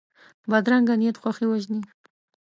بدرنګه نیت خوښي وژني